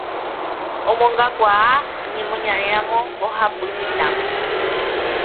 omongakuaa iñemoñaréramo mbohapy mitãme